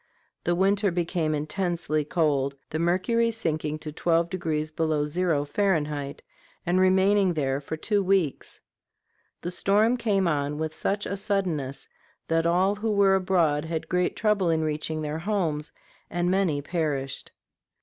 The weather became intensely cold, the mercury sinking to twelve degrees below zero, Fahrenheit, and remaining there for two weeks. The storm came on with such suddenness that all who were abroad had great trouble in reaching their homes, and many perished.